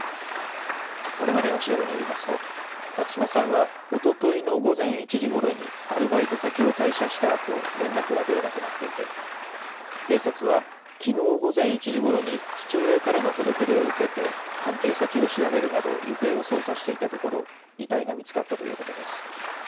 これまでの調べによりますと辰島さんはおとといの午前１時ごろにアルバイト先を退社したあと連絡が取れなくなっていて警察はきのう午前１時ごろに父親からの届け出を受けて関係先を調べるなど行方を捜査していたところ遺体が見つかったということです。